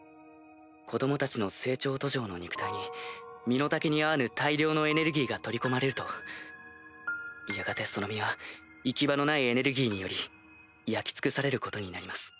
子供たちの成長途上の肉体に身の丈に合わぬ大量のエネルギーが取り込まれるとやがてその身は行き場のないエネルギーにより焼き尽くされることになります。